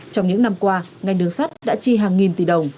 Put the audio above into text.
trong những năm qua ngành đường sắt đã chi hàng nghìn tỷ đồng